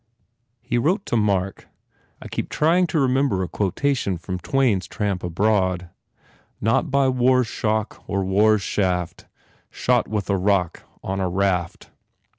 He wrote to Mark, *! kept trying to remember a quotation from Twain s Tramp Abroad. Not by war s shock or war s shaft. Shot with a rock on a raft.